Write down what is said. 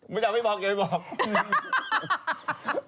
ไม่จำไม่บอกอย่าให้บอก